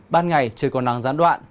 ban ngày trời còn nắng gián đoạn